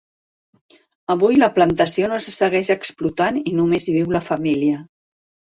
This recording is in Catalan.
Avui la plantació no se segueix explotant i només hi viu la família.